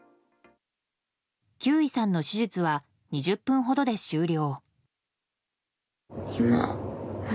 休井さんの手術は２０分ほどで終了。